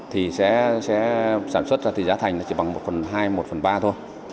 thì sẽ sản xuất ra thì giá thành chỉ bằng một phần hai một phần ba thôi